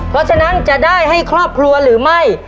เพราะฉะนั้นจะได้ให้ครอบครัวหรือไม่